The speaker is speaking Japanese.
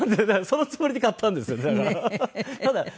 そのつもりで買ったんですよねだから。